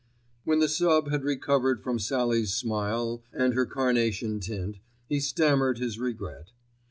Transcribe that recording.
When the sub. had recovered from Sallie's smile and her carnation tint, he stammered his regret.